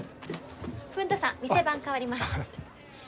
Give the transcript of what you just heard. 文太さん店番代わります。